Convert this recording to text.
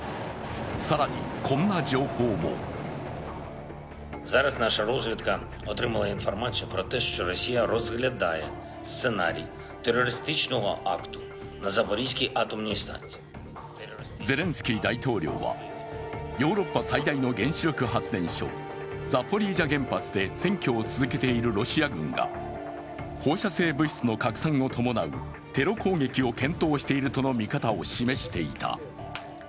更に、こんな情報もゼレンスキー大統領はヨーロッパ最大の原子力発電所ザポリージャ原発で占拠を続けているロシア軍が放射性物質の拡散を伴うテロ攻撃を検討しているとの見方を示していた。